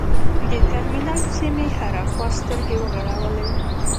د ترمینل پسې مې هره خوا سترګې وغړولې.